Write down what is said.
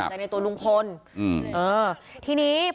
แล้วอันนี้ก็เปิดแล้ว